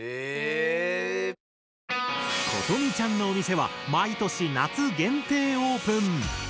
ことみちゃんのお店は毎年夏限定オープン。